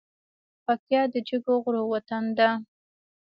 پکتیا د جګو غرو وطن ده .